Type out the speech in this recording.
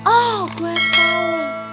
oh gua tau